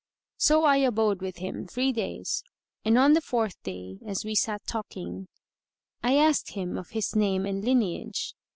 So I abode with him three days, and on the fourth day as we sat talking, I asked him of his name and lineage.